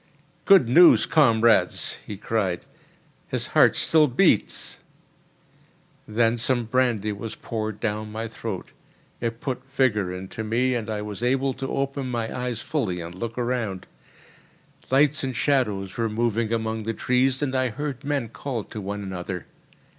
"Good news, comrades!" he cried. "His heart still beats!" Then some brandy was poured down my throat; it put vigour into me, and I was able to open my eyes fully and look around. Lights and shadows were moving among the trees, and I heard men call to one another.